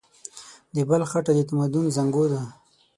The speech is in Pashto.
د بلخ خټه د تمدن زانګو ده.